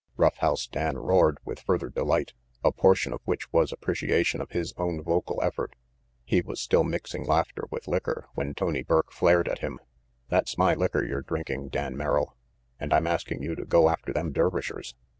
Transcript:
Rough House Dan roared with further delight, a portion of which was appreciation of his own vocal effort. He was still mixing laughter with liquor when Tony Burke flared at him. "That's my licker you're drinking, Dan Merrill, and I'm asking you to go after them Dervishers.